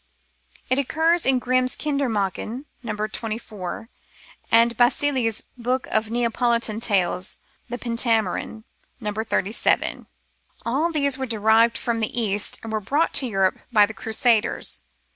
It occurs in Grimm's Kinder Mdrchen (No. 24), and in Basili's book of Neapolitan tales, the Pentamerone (No. 37). All these were derived from the East, and were brought to Europe by the Crusaders.